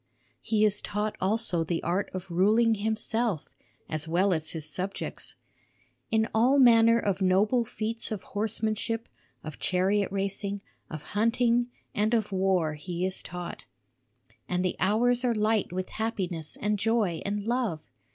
He is taught also the art of ruling himself as well as his subjects. In all manner of noble feats of horsemanship, of chariot racing, of hunting and of war he is taught. And the hours are light with happiness and joy and love.